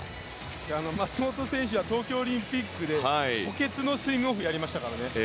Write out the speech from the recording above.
松元選手は東京オリンピックで補欠のスイムオフをやりましたからね。